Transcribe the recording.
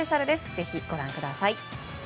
ぜひ、ご覧ください。